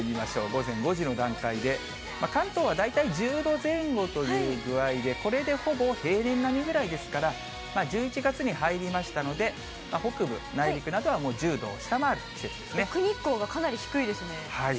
午前５時の段階で、関東は大体１０度前後という具合で、これでほぼ平年並みぐらいですから、１１月に入りましたので、北部、内陸などはもう１０度を下奥日光がかなり低いですね。